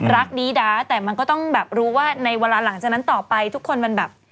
รักดีด้าแต่มันก็ต้องแบบรู้ว่าในเวลาหลังจากนั้นต่อไปทุกคนมันแบบ